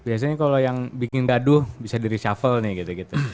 biasanya kalau yang bikin gaduh bisa di reshuffle nih gitu gitu